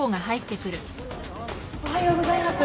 おはようございます。